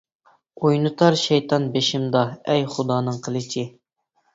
ئوينىتار شەيتان بېشىمدا ئەي خۇدانىڭ قىلىچى!